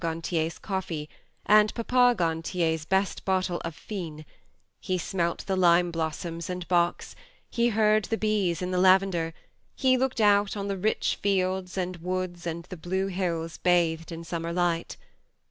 Gantier's coffee and Papa Gantier's best bottle of "Fine" he smelt the lime blossoms and box, he heard the bees in the lavender, he looked out on the rich fields and woods and the blue hills bathed in summer light.